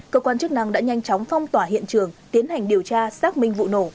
cơ quan chức năng đã nhanh chóng phong tỏa hiện trường tiến hành điều tra xác minh vụ nổ